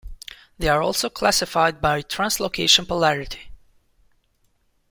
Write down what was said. They are also classified by translocation polarity.